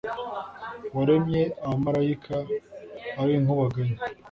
waremye abamalayika, ab'inkubaganyi